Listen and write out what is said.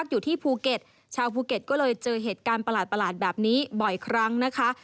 ก็เลยเจอเหตุการณ์ประหลาดแบบนี้บ่อยครั้งนะคะ